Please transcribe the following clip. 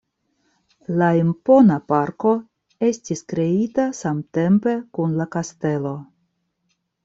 La impona parko estis kreita samtempe kun la kastelo.